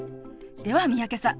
では三宅さん